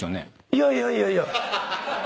いやいやいやいや。